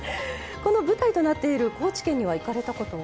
この舞台となっている高知県には行かれたことは？